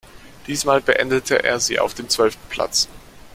Diesmal beendete er sie auf dem zwölften Platz.